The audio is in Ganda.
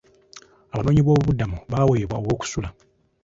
Abanoonyiboobubuddamu baaweebwa aw'okusula.